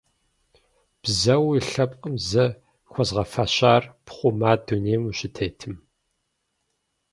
Бзэуэ уи лъэпкъым сэ хуэзгъэфэщар пхъума дунейм ущытетым?